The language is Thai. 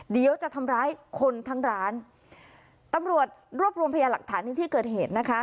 เดี๋ยวจะทำร้ายคนทั้งร้านตำรวจรวบรวมพยาหลักฐานในที่เกิดเหตุนะคะ